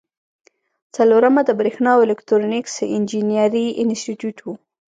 څلورمه د بریښنا او الکترونیکس انجینری انسټیټیوټ و.